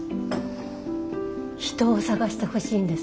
人を探してほしいんです。